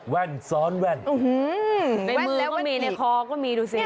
แว่นซ้อนแว่นในมือก็มีในคอก็มีดูสิ